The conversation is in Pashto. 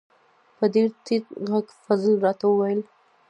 په ډیر ټیټ غږ فضل را ته و ویل: